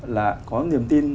là có niềm tin